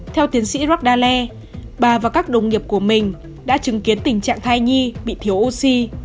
theo tiến sĩ raddale bà và các đồng nghiệp của mình đã chứng kiến tình trạng thai nhi bị thiếu oxy